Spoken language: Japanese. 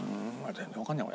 全然わかんねえわ。